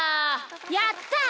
やった！